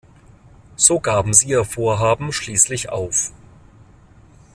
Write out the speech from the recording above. So gaben sie ihr Vorhaben schließlich auf.